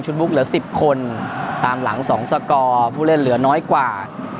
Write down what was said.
บุ๊คเหลือ๑๐คนตามหลัง๒สกอร์ผู้เล่นเหลือน้อยกว่า